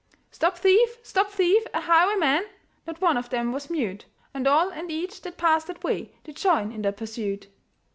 "Stop thief! stop thief! a highwayman!'" Not one of them was mute; And all and each that passed that way Did join in the pursuit.